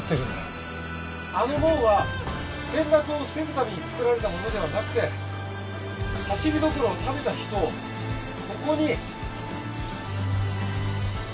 あの門は転落を防ぐために作られたものではなくてハシリドコロを食べた人をここに。